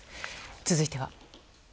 続いては。